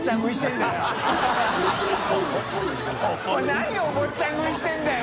何お坊ちゃん食いしてるんだよ！